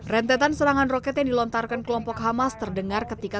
rentetan serangan roket yang dilontarkan kelompok hamas terdengar ketika